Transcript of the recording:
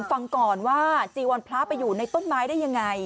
ฟังก่อนว่าจีวรพระไปอยู่ในต้นไม้ได้ยังไง